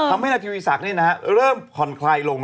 ทำให้นายทวีสักเนี่ยนะฮะเริ่มพ่อนคลายลง